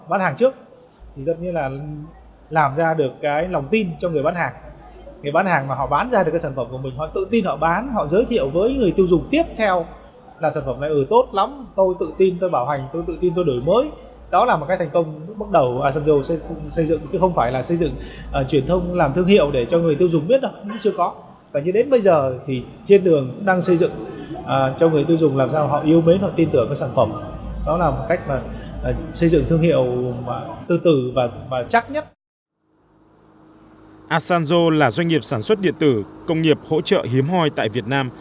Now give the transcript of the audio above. asanzo là doanh nghiệp sản xuất điện tử công nghiệp hỗ trợ hiếm hoi tại việt nam